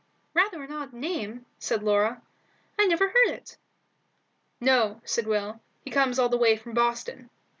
"Rather an odd name," said Laura. "I never heard it." "No," said Will; "he comes all the way from Boston."